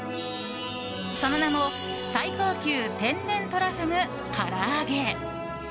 その名も最高級天然とらふぐ唐揚げ。